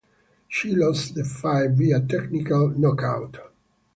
She lost the fight via technical knockout.